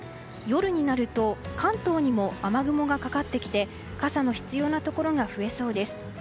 夜になると関東にも雨雲がかかってきて傘の必要なところが増えそうです。